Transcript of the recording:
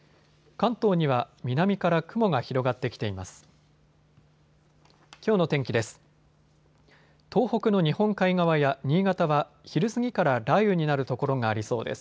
関東には南から雲が広がってきています。